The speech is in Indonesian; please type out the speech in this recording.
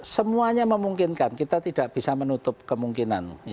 semuanya memungkinkan kita tidak bisa menutup kemungkinan